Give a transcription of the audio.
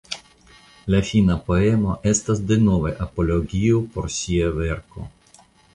La fina poemo estas denove apologio por sia verko.